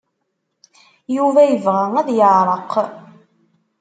Yuba yebɣa ad yeɛreq.